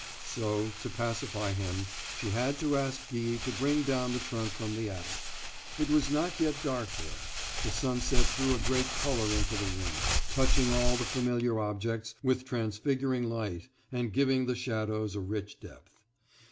So, to pacify him, she had to ask Guy to bring down the trunk from the attic. It was not yet dark there; the sunset threw a great color into the room, touching all the familiar objects with transfiguring light, and giving the shadows a rich depth.